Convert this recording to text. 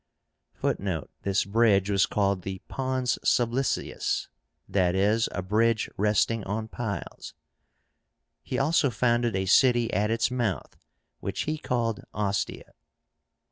(Footnote: This bridge was called the pons sublicius i. e. a bridge resting on piles.) He also founded a city at its mouth, which he called OSTIA.